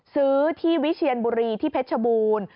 ซื้อที่วิเชียนบุรีที่เพชรชบูรณ์